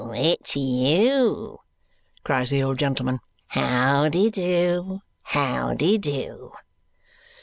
It's you!" cries the old gentleman. "How de do? How de do?"